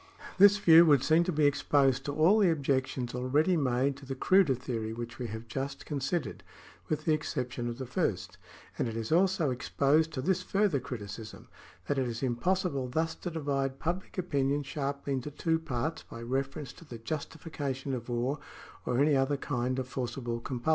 ^ This view would seem to be exposed to all the objections already made to the cruder theory which we have just con sidered, with the exception of the first ; and it is also exposed to this further criticism, that it is impossible thus to divide public opinion sharply into two parts by reference to the justification of war or any other kind of forcible compulsion.